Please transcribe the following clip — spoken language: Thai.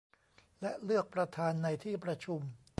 และเลือกประธานในที่ประชุม